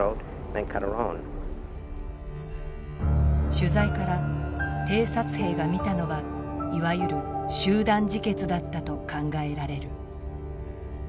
取材から偵察兵が見たのはいわゆる集団自決だったと考えられる。